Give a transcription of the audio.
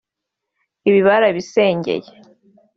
Ibi barabisengeye